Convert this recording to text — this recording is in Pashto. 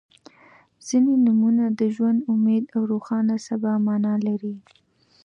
• ځینې نومونه د ژوند، امید او روښانه سبا معنا لري.